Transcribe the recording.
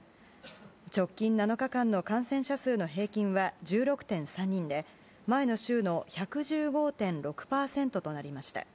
直近７日間の感染者数の平均は１６．３人で前の週の１１５．６％となりました。